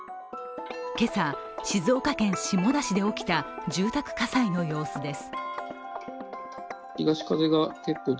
今朝、静岡県下田市で起きた住宅火災の様子です。